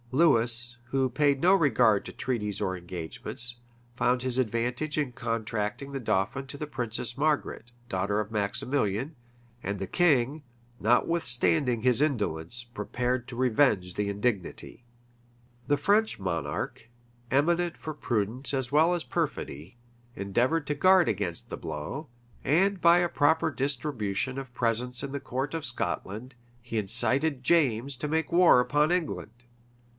Lewis, who paid no regard to treaties or engagements, found his advantage in contracting the dauphin to the princess Margaret, daughter of Maximilian, and the king, notwithstanding his indolence, prepared to revenge the indignity. * Rymer, vol. xi. p. 110. {1482.} The French monarch, eminent for prudence as well as perfidy, endeavored to guard against the blow; and by a proper distribution of presents in the court of Scotland, he incited James to make war upon England.